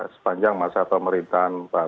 sepanjang masa pemerintahan presiden